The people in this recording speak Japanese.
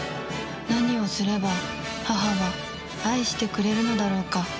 何をすれば母は愛してくれるのだろうか。